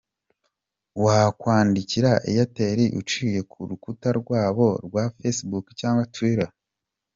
Wakwandikira Airtel uciye ku rukuta rwabo ra facebook cyangwa twitter.